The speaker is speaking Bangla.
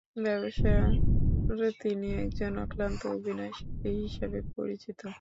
ব্যবসার তিনি একজন অক্লান্ত অভিনয়শিল্পী হিসাবে পরিচিত।